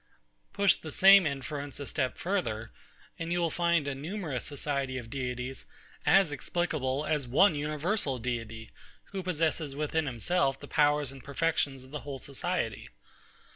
Push the same inference a step further, and you will find a numerous society of deities as explicable as one universal deity, who possesses within himself the powers and perfections of the whole society.